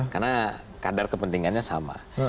karena kadar kepentingannya sama